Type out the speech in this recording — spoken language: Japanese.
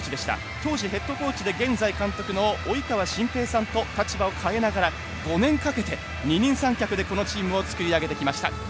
当時ヘッドコーチで現在監督の及川晋平さんと立場を変えながら５年かけて二人三脚でこのチームを作り上げてきました。